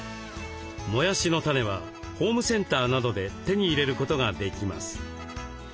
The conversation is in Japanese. もやしのタネはホームセンターなどで手に入れることができます。